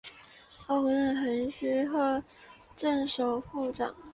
后任横须贺镇守府长。